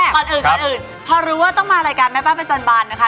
ก่อนอื่นก่อนอื่นพอรู้ว่าต้องมารายการแม่บ้านประจำบานนะคะ